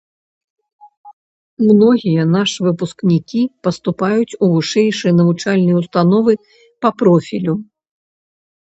Многія нашы выпускнікі паступаюць у вышэйшыя навучальныя ўстановы па профілю.